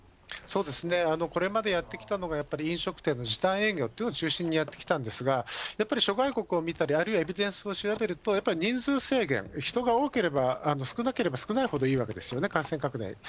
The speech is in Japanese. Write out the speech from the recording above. これまでやってきたのがやっぱり飲食店の時短営業っていうのを中心にやってきたんですが、やっぱり諸外国を見たり、あるいはエビデンスを調べると、やっぱり人数制限、人が多ければ、少なければ少ないほどいいわけですよね、感染拡大。